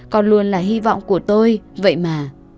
còn luôn là hy vọng của tôi vậy mà